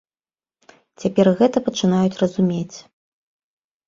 Цяпер гэта пачынаюць разумець.